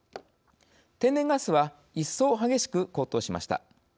天然ガスは一層激しく高騰しました。